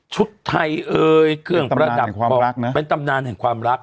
ชุดไทยเอ้ยเครื่องประดับเพื่อหาความรักนะเป็นตำนานในความรัก